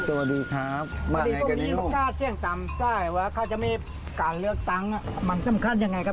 สวัสดีครับคุณพุทธชาติเสี่ยงตามใส่ว่าข้าจะมีการเลือกตั้งมันสำคัญยังไงครับ